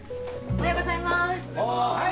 おはようございます。